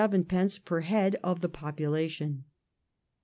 per head of the population.